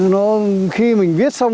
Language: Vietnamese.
nó khi mình viết xong